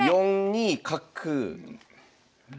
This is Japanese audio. ４二角。